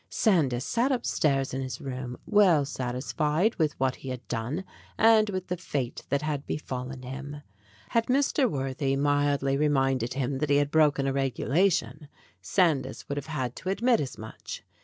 Sandys sat upstairs in his room, well satisfied with what he had done and with the fate that had befallen him. Had Mr. Worthy mildly reminded him that he had broken a regulation, Sandys would have had to admit as much.